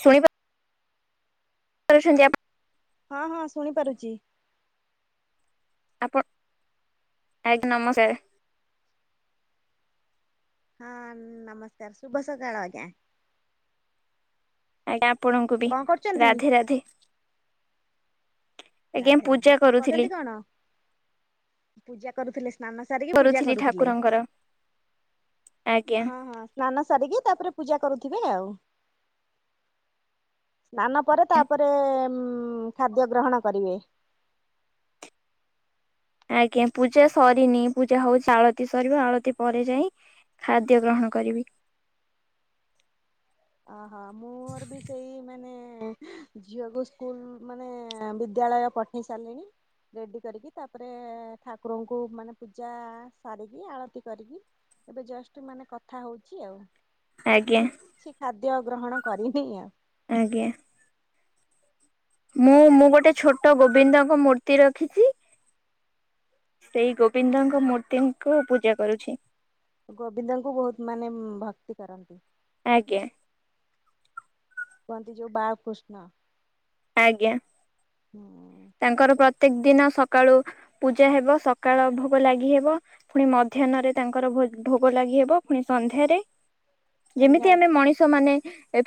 ସୁ [unintelligible] ହଁ ହଁ ଶୁଣି ପାରୁଚି। ଆପ ଆଜ୍ଞା ନମସ୍କାରେ। ହଁ, ନମସ୍କାର ଶୁଭ ସକାଳ ଆଜ୍ଞା। ଆଜ୍ଞା, ଆପଣଙ୍କୁ ବି କଣ କରୁଚନ୍ତି? ରାଧେ ରାଧେ। ଆଜ୍ଞା ରାଧେ ପୂଜା ରାଧେ କଣ କରୁଥିଲି କରନ୍ତି କଣ? ପୂଜା କରୁଥିଲେ। ସ୍ନାନ ସାରିକି ପୂଜା କରୁଥିଲି କରୁଥିଲେ। ଠାକୁରଙ୍କର ଆଜ୍ଞା। ହଁ, ହଁ ସ୍ନାନ ସାରିକି ତାପରେ ପୂଜା କରୁଥିବେ ଆଉ। ସ୍ନାନ ପରେ ତାପରେ ଉଁ ଖାଦ୍ୟ ଗ୍ରହଣ କରିବେ। [unintelligible] ଆଜ୍ଞା ପୂଜା ସରିନି ପୂଜା ହୋଉଚି ଆଳତି ସରିବ, ଆଳତି ପରେ ଯାଇ ଖାଦ୍ୟ ଗ୍ରହଣ କରିବି। ଅହୋ ମୋର ବି ସେଇ ମାନେ ଝିଅକୁ ସ୍କୁଲ ମାନେ ବିଦ୍ୟାଳୟ ପଠେଇ ସାରିଲିଣି। ରେଡି କରିକି ତାପରେ ଠାକୁରଙ୍କୁ ମାନେ ପୂଜା ସାରିକି, ଆଳତି କରିକି ଏବେ ଜଷ୍ଟ, ମାନେ କଥା ହୋଉଚି ଆଉ। ଆଜ୍ଞା। କିଛି ଖାଦ୍ୟ ଗ୍ରହଣ କରିବିନି ଅ ଆଜ୍ଞା। ମୁଁ ଆ ମୁଁ ଗୋଟେ ଛୋଟ ଗୋବିନ୍ଦଙ୍କ ମୂର୍ତ୍ତି ରଖିଚି। ସେଇ ଗୋବିନ୍ଦଙ୍କ ମୂର୍ତ୍ତିଙ୍କୁ ପୂଜା କରୁଛି। ଗୋବିନ୍ଦଙ୍କୁ ବୋହୁତ ମାନେ ଭକ୍ତି କରନ୍ତି? ଆଜ୍ଞା। କୁହନ୍ତି ଯୋଉ ବା କୃଷ୍ଣ। ଆଜ୍ଞା ତାଙ୍କର ପ୍ରତ୍ୟେକ ଦିନ ସ ସକାଳୁ ପୂଜା ହେବ ସକାଳ ଭୋଗ ଲାଗି ହେବ ପୁଣି ମଧ୍ୟାହ୍ନରେ ତାଙ୍କର ଭୋଗ ଲାଗି ହେବ ପୁଣି ସନ୍ଧ୍ୟାରେ ଯେମିତି ସନ୍ଧ୍ୟାରେ ଆମେ ମଣିଷ ମାନେ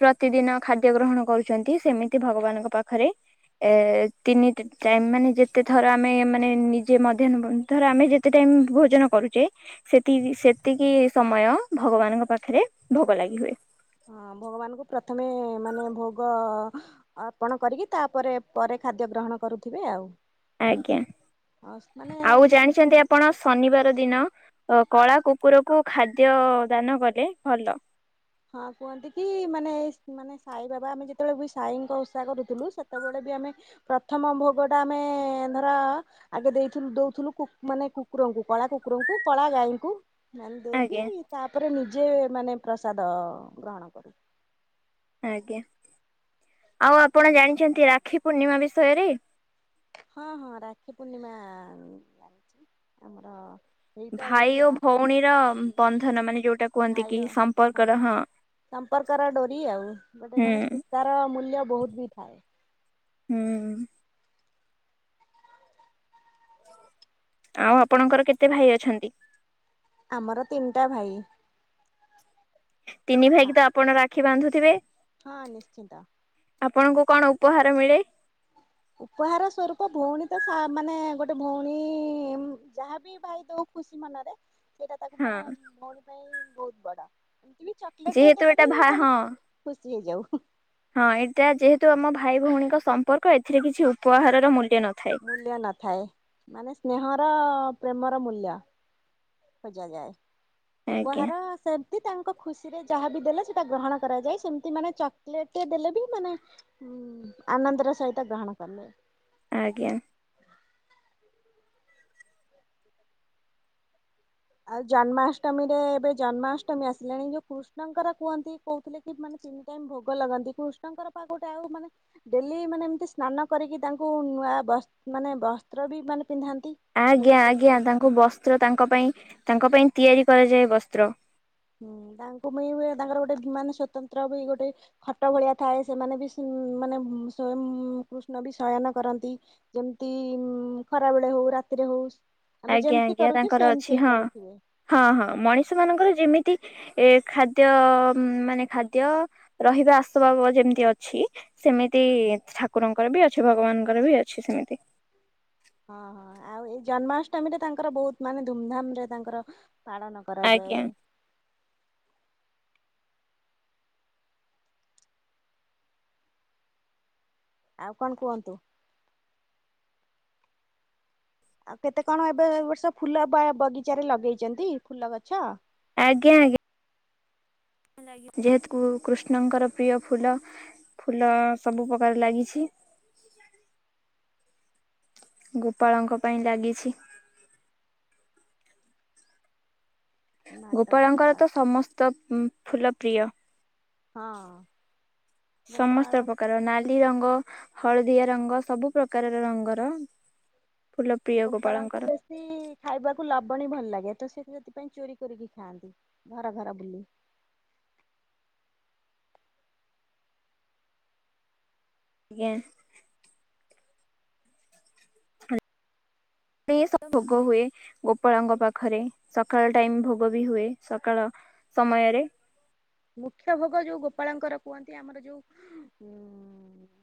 ପ୍ରତିଦିନ ଖାଦ୍ୟ ଗ୍ରହଣ କରୁଛନ୍ତି ସେମିତି ଭଗବାନଙ୍କ ପାଖରେ ଏ ତିନି ଟାଇମ ମାନେ ଯେତେ ଥର ଆମେ ମାନେ ନିଜେ ମଧ୍ୟାହ୍ନ ଧର ଆମେ ଯେତେ ଟା ଭୋଜନ କରୁଚେ ସେତି ସେତିକି ସମୟ ଭଗବାନଙ୍କ ପାଖରେ ଭୋଗ ଲାଗି ହୁଏ। ହଁ ଭଗବାନଙ୍କୁ ପ୍ରଥମେ ମାନେ ଭୋଗ ଅର୍ପଣ କରିକି ତାପରେ ପରେ ଖାଦ୍ୟ ଗ୍ରହଣ କ କରୁଥିବେ ଆଉ। ଆଜ୍ଞା ମାନେ ଆଉ ଜାଣିଛନ୍ତି ଆପଣ ଶନିବାର ଦିନ ଅ କଳା କୁକୁରକୁ ଖାଦ୍ୟ ଦାନ କଲେ ଭଲ। ହଁ କୁହନ୍ତି କି ମାନେ ମାନେ ସାଇ ବାବା ଆମେ ଯେତେବେଳେ ବି ସାଇଙ୍କ ଓଷା କରୁଥିଲୁ ସେତେବେଳେ ଆ ପ୍ରଥମ ଭୋଗ ଟା ଆମେ ଧର ଆଗେ ଦେଇଥିଲୁ ଦୋଉଥୁଲୁ ମାନେ କୁ କୁକୁ କୁଙ୍କୁ କଳା କୁକୁରଙ୍କୁ କଳା ଗାଈଙ୍କୁ। ନେଲେ ଦେଇକି ଆଜ୍ଞା ତାପରେ ନିଜେ ମାନେ ପ୍ରସାଦ ଗ୍ରହଣ କରୁ ଆଜ୍ଞା ଆଉ ଆପଣ ଜାଣିଛନ୍ତି ରାକ୍ଷୀ ପୂର୍ଣ୍ଣିମା ବିଷୟରେ? ହଁ ହଁ ରାକ୍ଷୀ ପୂର୍ଣ୍ଣିମା ଲାଗଛି ଆମର ହିଁ ଭାଇ ଓ ଭଉଣୀର ବନ୍ଧନ ମାନେ ଯୋଉଟା କୁହନ୍ତି ଭାଇ କି ହଁ ସମ୍ପର୍କର ହଁ ସମ୍ପର୍କର ଡୋରି ଆଉ ବଟ ହୁଁ ମାନେ ସୂତାର ମୂଲ୍ୟ ବହୁତ ବି ଥାଏ। ହୁଁ। ଆଉ ଆପଣଙ୍କର କେତେ ଭାଇ ଅଛନ୍ତି? ଆମର ତିନିଟା ଭାଇ। ତିନି ହଁ ଭାଇକି ତ ଆପଣ ରାକ୍ଷୀ ବାନ୍ଧୁଥିବେ? ହଁ ନିଶ୍ଚିନ୍ତ। ଆପଣଙ୍କୁ କଣ ଉପହାର ମିଳେ? ଉପହାର ସ୍ୱରୂପ ଭଉଣୀ ତ ମାନେ ଗୋଟେ ଭଉଣୀ ଯାହାବି ଭାଇ ଦଉ ଖୁସି ମନରେ ସେଇଟା ତାକୁ ହଁ ମାନେ ଭଉଣୀ ପାଇଁ ବହୁତ ବଡ। ଚକଲେଟ ଟିଏ ଯେହେତୁ ଦେଲେ ଏଟା ବି ଭା ମାନେ ହଁ ଖୁସି ହେଇଯାଉ। ହଁ ଏଇଟା ଯେହେତୁ ଆମ ଭାଇ ଭଉଣୀଙ୍କ ସମ୍ପର୍କ ଏଥିରେ କିଛି ଉପହାରର ମୂଲ୍ୟ ନଥାଏ। ମୂଲ୍ୟ ନଥାଏ ମାନେ ସ୍ନେହର ପ୍ରେମର ମୂଲ୍ୟ। ଖୋଜା ଯାଏ ଆଜ୍ଞା ଉପହାର ସେ ତାଙ୍କ ଖୁସିରେ ଯାହା ବି ଦେଲେ ସେଟା ଗ୍ରହଣ କରାଯାଏ ସେମତି ମାନେ ଚକୋଲେଟ ଦେଲେ ବି ମାନେ ହୁଁ ଆନନ୍ଦ ସହିତ ଗ୍ରହଣ କରିନିଏ। ଆଜ୍ଞା। ଆଉ ଜନ୍ମାଷ୍ଟମୀରେ ଏବେ ଜନ୍ମାଷ୍ଟମୀ ଆସିଲାଣି ଯୋଉ କୃଷ୍ଣଙ୍କର କୁହନ୍ତି କହୁଥିଲେ କି ମାନେ ତିନି ଟାଇମ ଭୋଗ ଲଗନ୍ତି କୃଷ୍ଣଙ୍କର ପା ଗୋଟେ ଆଉ ମାନେ ଡେଲି ମାନେ ଏମିତି ସ୍ନାନ କରିକି ତାଙ୍କୁ ବ ମାନେ ବସ୍ତ୍ର ବି ମାନେ ପିନ୍ଧାନ୍ତି। ଆଜ୍ଞା ଆଜ୍ଞା ତାଙ୍କୁ ବସ୍ତ୍ର ତାଙ୍କ ପାଇଁ ତାଙ୍କ ପାଇଁ ତିଆରି କରାଯାଏ ବସ୍ତ୍ର। ହୁଁ ତାଙ୍କୁ ପାଇଁ ତାଙ୍କର ଗୋଟେ ବିମାନ ସ୍ଵତନ୍ତ୍ର ବି ଗୋଟେ ଖଟ ଭଳିଆ ଥାଏ ସେମାନେ ବି ମାନେ କୃଷ୍ଣ ବି ଶୟନ କରନ୍ତି ଯେମିତି ଖରାବେଳେ ହଉ। ରାତିରେ ହଉ। ଆମେ ଆଜ୍ଞା ଯେମିତି ଆଜ୍ଞା କରୁଛୁ ତାଙ୍କର ଅଛି ସେମିତି ହଁ କରୁଥିବେ। ହଁ ହଁ ମଣିଷ ମାନଙ୍କର ଯେମିତି ଏ ଖାଦ୍ୟ ମାନେ ଖାଦ୍ୟ ରହିବା ଆସବାବ ଯେମିତି ଅଛି ସେମିତି ଠାକୁରଙ୍କର ବି ଅଛି ଭଗବାନଙ୍କର ବି ଅଛି ସେମିତି। ହଁ ହଁ ଆଉ ଏଇ ଜନ୍ମାଷ୍ଟମୀ ରେ ତାଙ୍କର ବହୁତ ମାନେ ଧୁମଧାମ ରେ ତାଙ୍କର ପାଳନ ଆଜ୍ଞା କରାଯାଏ। ଆଉ କଣ କୁହନ୍ତୁ? ଆଉ କେତେ କଣ ଏବେ ବର୍ଷ ଫୁଲ ବଗିଚାରେରେ ଲଗେଇଛନ୍ତି ଫୁଲ ଗଛ। ଆଜ୍ଞା ଆଜ୍ଞା। ଯେହେତୁ କୃଷ୍ଣଙ୍କର ପ୍ରିୟ ଫୁଲ ଫୁଲ ସବୁ ପ୍ରକାର ଲାଗିଛି। [inaudible] ଗୋପାଳଙ୍କ ପାଇଁ ଲାଗିଛି। ନାଟ ଗୋପାଳଙ୍କର ଗୋପାଳ ତ ସମସ୍ତ ଫୁଲ ପ୍ରିୟ। ହଁ ଗୋପାଳ ସମସ୍ତ ପ୍ରକାର ନାଲି ରଙ୍ଗ। ହଳଦିଆ ରଙ୍ଗ ସବୁ ପ୍ରକାରର ରଙ୍ଗର ଫୁଲ ପ୍ରିୟ ଗୋପାଳଙ୍କୁ ଗୋପାଳଙ୍କର ବେଶୀ ଖାଇବାକୁ ଲ ଲବଣୀ ଭଲ ଲାଗେ ତ ସେ ସେଥିପାଇଁ ଚୋରି କରିକି ଖାଆନ୍ତି ଘର ଘର ବୁଲି। [inaudible] ଆଜ୍ଞା। ସବୁ ଭୋଗ ହୁଏ ଗୋପାଳଙ୍କ ପାଖରେ ସକାଳ ଟାଇମ ଭୋଗ ବି ହୁଏ ସକାଳ ସମୟରେ। ମୁଖ୍ୟ ଭୋଗ ଯୋଉ ଗୋପାଳଙ୍କର କୁହନ୍ତି ଆମର ଯୋଉ ଉଁ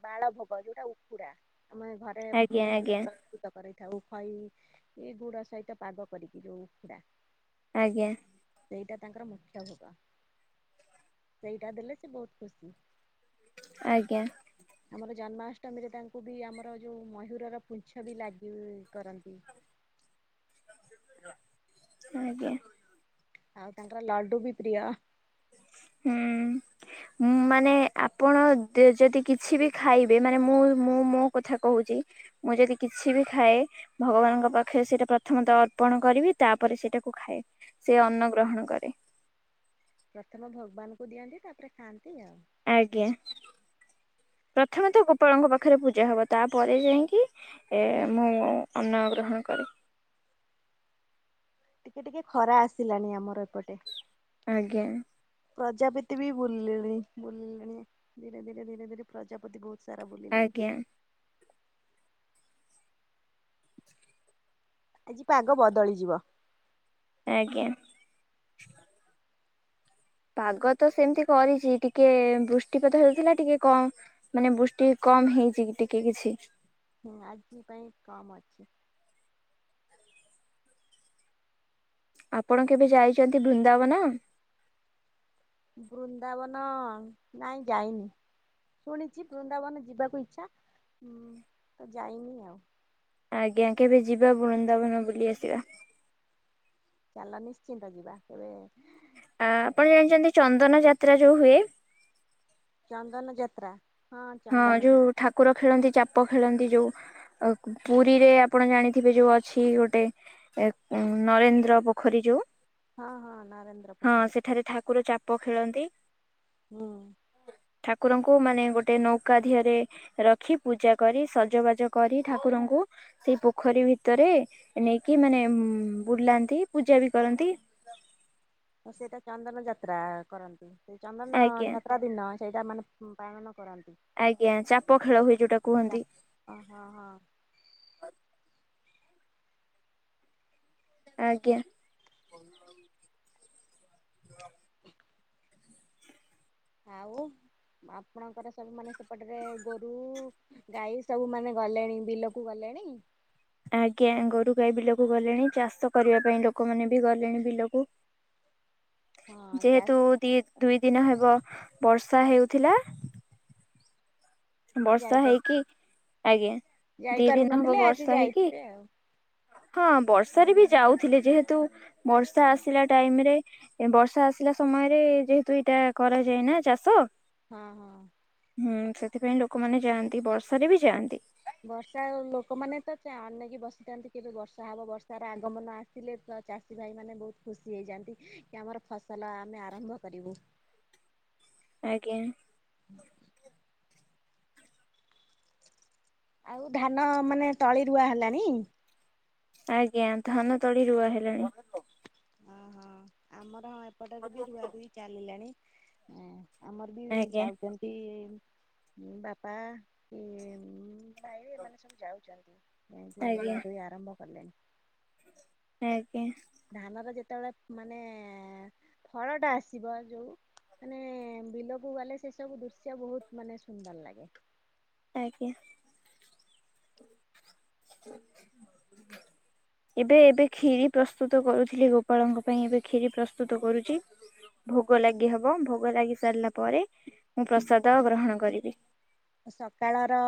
ବାଳ ଭୋଗ ଯୋଉଟା। ଉଖୁଡା [inaudible] ଆମେ ଘରେ ଆଜ୍ଞା ମାନେ ଆଜ୍ଞା ପ୍ରସ୍ତୁତ କରିଥାଉ ଖଇ ଏଇ ଗୁଡ ସହିତ ପାଗ କରିକି ଯୋଉ ଉଖୁଡା। ଆଜ୍ଞା। ସେଇଟା ତାଙ୍କର ମୁଖ୍ୟ ଭୋଗ ସେଇଟା ଦେଲେ ସେ ବହୁତ ଖୁସି। ଆଜ୍ଞା। ଆମର ଜନ୍ମାଷ୍ଟମୀରେ ତାଙ୍କୁ ବି ଆମର ଯୋଉ ମୟୁରର ପୁଛ ବି ଲାଗି କରନ୍ତି। ଆଜ୍ଞା। ଆଉ ତାଙ୍କର ଲଡୁ ବି ପ୍ରିୟ। ହୁଁ ଉଁ ମାନେ ଆପଣ ଯଦି କିଛି ବି ଖାଇବେ ମାନେ ମୁଁ ମୁଁ ମୋ କଥା କହୁଛି। ମୁଁ ଯଦି କିଛି ବି ଖାଏ ଭଗବାନଙ୍କ ପାଖରେ ସେଇଟା ପ୍ରଥମତଃ ଅର୍ପଣ କରିବି ତାପରେ ସେ କୁ ଖାଏ ସେ ଅନ୍ନ ଗ୍ରହଣ କରେ। ପ୍ରଥମ ଭଗବାନ ଙ୍କୁ ଦିଅନ୍ତି, ତାପରେ ଖାଆନ୍ତି ଆଉ ଆଜ୍ଞା ପ୍ରଥମେ ତ ଗୋପାଳଙ୍କ ପାଖରେ ପୂଜା ହବ, ତାପରେ ଯାଇକି ଏଁ ମୁଁ ଅନ୍ନ ଗ୍ରହଣ କରେ। [inaudible] ଟିକେ ଟିକେ ଖରା ଆସିଲାଣି ଆମର ଏପଟେ। ଆଜ୍ଞା ପ୍ରଜାପତି ବି ବୁଲିଲେଣି, ବୁଲିଲେଣି ଧୀରେ ଧୀରେ ଧୀରେ ଧୀରେ ପ୍ରଜାପତି ବହୁତ ସାରା ବୁଲିଲେଣି ଆଜ୍ଞା ଆଜି ପାଗ ବଦଳିଯିବ। ଆଜ୍ଞା। ପାଗ ତ ସେମିତି କରିଛି, ଟିକେ ବୃଷ୍ଟିପାତ ହେଉଥିଲା, ଟିକେ କ ମାନେ ବୃଷ୍ଟି କମ ହେଇଛି କି ଟିକେ କିଛି ହୁଁ ଆଜି ପାଇଁ କମ ଅଛି। ଆପଣ କେବେ ଯାଇଛନ୍ତି ବୃନ୍ଦାବନ? ବୃନ୍ଦାବନ ନାଇଁ ଯାଇନି। ଶୁଣିଛି ବୃନ୍ଦାବନ ଯିବାକୁ ଇଛା, ମୁଁ ତ ଯାଇନି ଆଉ। ଆଜ୍ଞା କେବେ ଯିବା ବୃନ୍ଦାବନ ବୁଲି ଆସିବା। ଚାଲ ନିଶ୍ଚିନ୍ତ ଯିବା କେବେ? ଆ ଆପଣ ଜାଣିଛନ୍ତି ଚନ୍ଦନ ଯାତ୍ରା ଯୋଉ ହୁଏ। ଚନ୍ଦନ ଯାତ୍ରା। ହଁ ଚନ୍ଦନ ଯୋଉ ଯାତ୍ରା ଠାକୁର ଖେଳନ୍ତି ଚାପ ଖେଳନ୍ତି ଯୋଉ, ପୁରୀରେ ଆପଣ ଜାଣିଥିବେ ଯୋଉ ଅଛି ଗୋଟେ ନରେନ୍ଦ୍ର ପୋଖରୀ ଯୋଉ ହଁ ହଁ ନରେନ୍ଦ୍ର ହଁ ପୋଖରୀ ସେଠାରେ ଠାକୁର ଚାପ ଖେଳନ୍ତି। ମୁଁ ଠାକୁରଙ୍କୁ ମାନେ ଗୋଟେ ଗୋଟେ ନୌକା ଦିହରେ ରଖି ପୂଜା କରି, ସଜବାଜ କରି, ଠାକୁରଙ୍କୁ ସେଇ ପୋଖରୀ ଭିତରେ ନେଇକି ମାନେ ବୁଲାନ୍ତି ପୂଜା ବି କରନ୍ତି ଆ ସେଇଟା ଚନ୍ଦନ ଯାତ୍ରା କରନ୍ତି, ସେଇ ଚନ୍ଦନ ଆଜ୍ଞା ଯାତ୍ରା ଦିନ ସେଇଟା ମାନେ ପାଳଣ ଆଜ୍ଞା, ଚାପ ଖେଳ ହୁଏ ଯୋଉଟା କୁହନ୍ତି। ହଁ ହଁ ହଁ ଆଜ୍ଞା ଆଉ ଆପଣଙ୍କର ସବୁ ମାନେ ସେପଟରେ ଗୋରୁ ଗାଈ ସବୁ ମାନେ ଗଲେଣି ବିଲକୁ ଗଲେଣି ଏଣିକି ଆଜ୍ଞା, ଗୋରୁ ଗାଈ ବିଲକୁ ଗଲେଣି, ଚାଷ କରିବା ପାଇଁ ଲୋକମାନେ ବି ଗଲେଣି ବିଲକୁ [inaudible] ହଁ ଚାଷ ଯେହେତୁ ଦି ଦୁଇ ଦିନ ହେବ ବର୍ଷା ହେଇ ଥିଲା। ବର୍ଷା ଯାଇପ ହେଇକି, ଆଜ୍ଞା, ଦି ଦିନ ହବ ଯାଇପାରୁନଥିଲେ ଆଜି ବର୍ଷା ହେଇକି ଯାଇଥିବେ ଆଉ। ହଁ ବର୍ଷା ବଷରେ ବି ଯାଉଥିଲେ, ଯେହେତୁ ବର୍ଷା ଆସିଲା ଟାଇମରେ, ବର୍ଷା ଆସିଲା ସମୟରେ ଯେହେତୁ ଏଇଟା କରାଯାଏ, ନା ଚାଷ ହଁ ହଁ- ହୁଁ ସେଥିପାଇଁ ଲୋକମାନେ ଯାଆନ୍ତି ବର୍ଷାରେ ବି ଯାଆନ୍ତି। ବର୍ଷା ଲୋକମାନେ ତ ଅନେଇକି ବସିଥାନ୍ତି କେବେ ବର୍ଷା ହବ ବର୍ଷାର ର ଆଗମନ ଆସିଲେ ଚାଷୀ ଭାଇ ମାନେ ବହୁତ ଖୁସି ହେଇଯାନ୍ତି କି ଆମର ଫସଲ ଆମେ ଆରମ୍ଭ କରିବୁ [inaudible] ଆଜ୍ଞା ଆଉ ଧାନ ମାନେ ତଳି ରୁଆ ହେଲାଣି ଆଜ୍ଞା ଧାନ ତଳି ରୁଆ ହେଲାଣି ଓହୋ ଆମର ହଁ ଏପଟରେ ବି ରୁଆ ରୁହି ଚାଲିଲାଣି ଆମର ବି ଆଜ୍ଞା ଯାଉଛନ୍ତି ବାପା କି ଭାଇ ଏମାନେ ସବୁ ଯାଉଛନ୍ତି କାହିଁକି ଏ ଆଜ୍ଞା ରୁଆ ରୁହି ଆରମ୍ଭ କଲେଣି ଆଜ୍ଞା ଧାନର ଯେତେବେଳେ ମାନେ ଫଳଟା ଆସିବ ଯୋଉ ମାନେ ବିଲକୁ ଗଲେ ସେ ସବୁ ଦୃଶ୍ୟ ବହୁତ ମାନେ ସୁନ୍ଦର ଲାଗେ ଆଜ୍ଞା ଏବେ ଏବେ କ୍ଷୀରି ପ୍ରସ୍ତୁତ କରୁଥିଲି ଗୋପାଳଙ୍କ ପାଇଁ ଏବେ କ୍ଷୀରି ପ୍ରସ୍ତୁତ କରୁଛି ଭୋଗ ଲାଗି ହବ ଭୋଗ ଲାଗି ସାରିଲା ପରେ ମୁଁ ପ୍ରସାଦ ଗ୍ରହଣ କରିବି ସକାଳର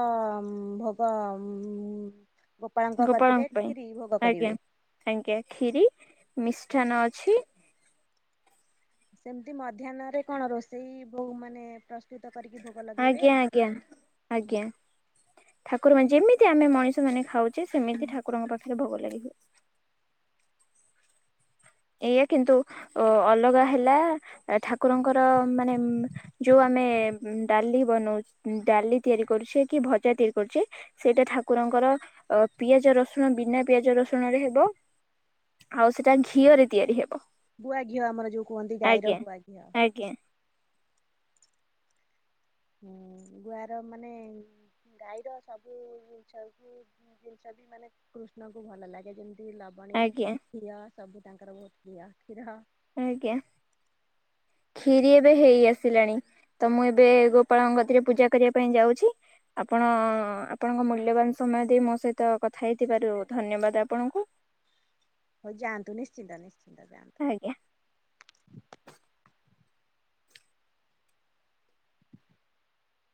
ଭୋଗ ଉ ଗୋପାଳଙ୍କ ପାଇଁ ଆଜ୍ଞା କରିବେ। ଆଜ୍ଞା କ୍ଷୀରି ମିଷ୍ଟାନ୍ନ ଅଛି ସେମିତି ମଧ୍ୟାହ୍ନରେ କଣ ରୋଷେଇ ବ ମାନେ ପ୍ର୍ [unintelligible] ଆଜ୍ଞା ଆଜ୍ଞା ଆଜ୍ଞା ଠାକୁର ପାଇଁ ଯେମିତି ତ ଆମେ ମଣିଷ ମାନେ ଖାଉଛେ ସେମିତି ଠାକୁରଙ୍କ ପାଖରେ ଭୋଗ ଲାଗି ହୁଏ ଏଇଆ କିନ୍ତୁ ଅ ଅଲଗା ହେଲା ଠାକୁରଙ୍କର ମାନେ ଯୋଉ ଆମେ ଆମେ ଡାଲି ବନଉ ଡାଲି ତିଆରି କରୁଛେ କି ଭଜା ତିଆରି କରୁଛେ ସେଇଟା ଠାକୁରଙ୍କ ଙ୍କର ପିଆଜ ରସୁଣ ବିନା ପିଆଜ ରସୁଣ ରେ ହେବ ଆଉ ସେଟା ଘିଅରେ ତିଆରି ହେବ ଗୁଆଘିଅ ଆମର ଯୋଉ କୁହନ୍ତି ଗାଈର ଆଜ୍ଞା ଗୁଆ ଘିଅ ଆଜ୍ଞା ହୁଁ ଗୁଆର ମାନେ ଗାଈର ସବୁ ଜିନିଷ ଜିନିଷ ବି ମାନେ କୃଷ୍ଣଙ୍କୁ ଭଲ ଲାଗେ ଯେମିତି ଲବଣୀ ଆଜ୍ଞା କ୍ଷୀର ସବୁ ତାଙ୍କର ବହୁତ ପ୍ରିୟ କ୍ଷୀର ଆଜ୍ଞା କ୍ଷୀରି ଏବେ ହେଇ ଆସିଲାଣି ତ ମୁଁ ଏବେ ଗୋପାଳଙ୍କ କତିରେ ପୂଜା କରିବା ପାଇଁ ଯାଉଛି ଆପଣ ଆପଣଙ୍କ ମୂଲ୍ୟବାନ ସମୟ ଦେଇ ମୋ ସହିତ କଥା ହେଇଥିବାରୁ ଧନ୍ୟବାଦ ଆପଣଙ୍କୁ [unintelligible] ହଉ ଯାଆନ୍ତୁ ନିଶ୍ଚିନ୍ତ ନିଶ୍ଚିନ୍ତ ଆଜ୍ଞା। ଯାଆନ୍ତୁ